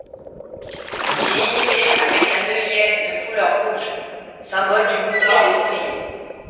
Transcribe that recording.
Il est inhumé avec un œillet de couleur rouge, symbole du mouvement ouvrier.